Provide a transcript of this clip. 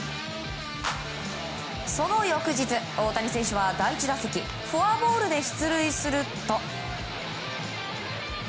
その翌日大谷選手は、第１打席フォアボールで出塁すると。